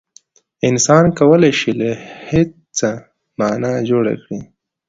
انسان کولای شي له هېڅه مانا جوړ کړي.